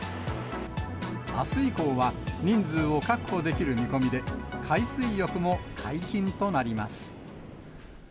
あす以降は、人数を確保できる見込みで、海水浴も解禁となります。